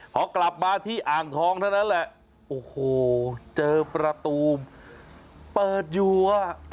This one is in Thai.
พอกลับมาที่อ่างทองเท่านั้นแหละโอ้โหเจอประตูเปิดอยู่อ่ะ